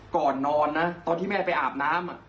ก่อนนอนนะตอนที่แม่ไปอาบน้ำ